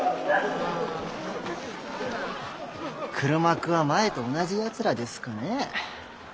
黒幕は前と同じやつらですかね。